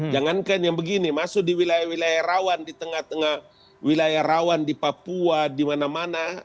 jangankan yang begini masuk di wilayah wilayah rawan di tengah tengah wilayah rawan di papua di mana mana